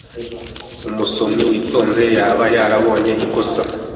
Umusomyi witonze yaba yarabonye ikosa.